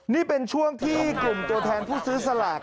นี่เป็นช่วงที่กลุ่มตัวแทนผู้ซื้อสลาก